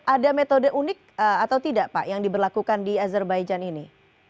ada metode unik atau tidak pak yang diberlakukan di azerbaijan ini